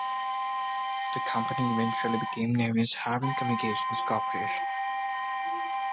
The company eventually became known as Harron Communications Corporation.